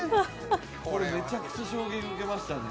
これ、めちゃくちゃ衝撃受けましたね。